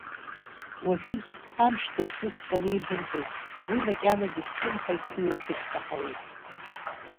Уажәыгь исхамшҭыц усҟан еибырҳәаз, уи макьанагьы слымҳа иҭыҩуашәагьы саҳауеит.